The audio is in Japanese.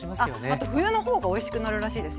あと冬の方がおいしくなるらしいです